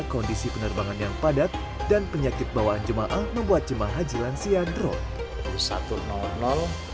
kondisi penerbangan yang padat dan penyakit bawaan jemaah membuat jemaah haji lansia drol